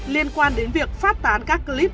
liên quan đến việc phát tán các clip